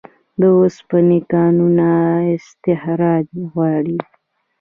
د اوسپنې کانونه استخراج غواړي